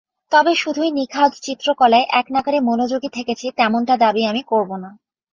তবে শুধুই নিখাদ চিত্রকলায় একনাগাড়ে মনোযোগী থেকেছি তেমনটা দাবি আমি করব না।